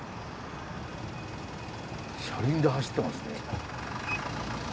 車輪で走ってますね。